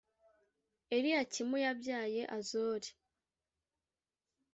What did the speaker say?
Eliyakimu yabyaye Azori